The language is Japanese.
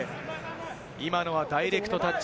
今のはダイレクトタッチ。